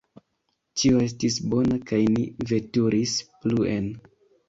Ĉio estis bona, kaj ni veturis pluen.